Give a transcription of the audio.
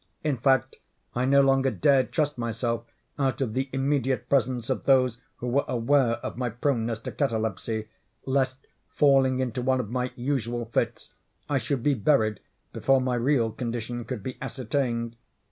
In fact, I no longer dared trust myself out of the immediate presence of those who were aware of my proneness to catalepsy, lest, falling into one of my usual fits, I should be buried before my real condition could be ascertained.